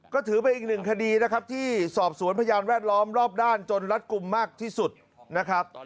ก็ถือเป็นอีกหนึ่งคดีนะครับที่สอบสวนพยานแวดล้อมรอบด้านจนรัดกลุ่มมากที่สุดนะครับ